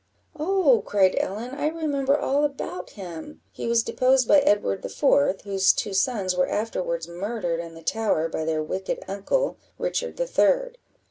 "Oh," cried Ellen, "I remember all about him; he was deposed by Edward the Fourth, whose two sons were afterwards murdered in the Tower by their wicked uncle, Richard the Third."